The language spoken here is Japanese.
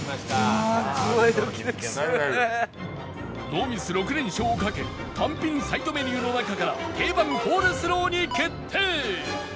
ノーミス６連勝をかけ単品サイドメニューの中から定番コールスローに決定！